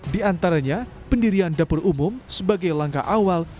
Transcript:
di antaranya pendirian dapur umum sebagai langkah awal